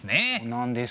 なんです。